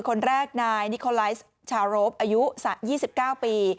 คนแรกนายนิโคไลฟ์ชาโรปอายุ๒๙ปี